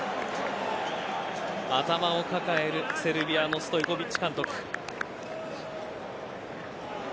頭を抱えるセルビアのストイコヴィッチ監督。